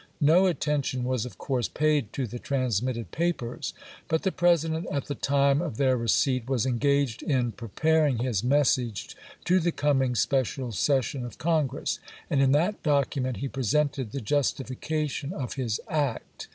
No attention was of course paid to the transmitted papers; but the President at the time of their re ceipt was engaged in preparing his message to the coming special session of Congress, and in that document he presented the justiJ&cation of his act.